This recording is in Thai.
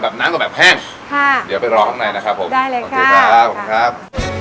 แบบน้ำกับแบบแห้งค่ะเดี๋ยวไปรอข้างในนะครับผมได้เลยค่ะขอบคุณครับ